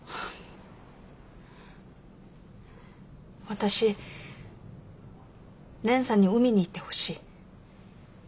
私蓮さんに海に行ってほしい。